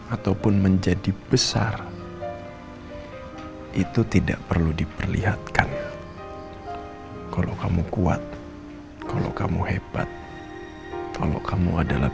ataupun menjadi besar itu tidak perlu diperlihatkan kalau kamu kuat kalau kamu hebat kalau kamu adalah